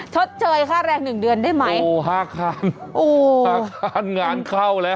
ชดเชยค่าแรง๑เดือนได้ไหมโอ้๕คันงานเข้าแล้ว